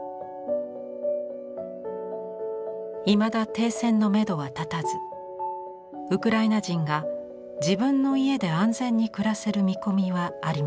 いまだ停戦のめどは立たずウクライナ人が自分の家で安全に暮らせる見込みはありません。